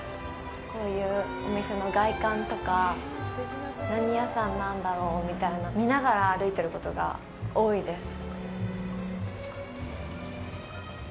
こういうお店の外観とか何屋さんなんだろうみたいな見ながら歩いてることが多いです。